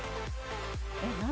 えっ何？